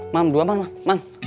man berdua man man